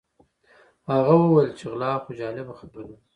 هغه وویل چې غلا خو جالبه خبره ده.